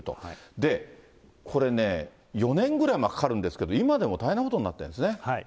で、これね、４年ぐらいかかるんですけど、今でも大変なことになってるんですね。